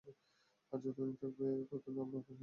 তারা যতদিন সেখানে থাকবে, ততদিন আমরা সেখানে প্রবেশ করবই না।